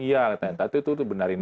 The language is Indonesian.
iya tadi itu benarin aja